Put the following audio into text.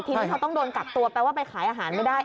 ทีนี้เขาต้องโดนกักตัวแปลว่าไปขายอาหารไม่ได้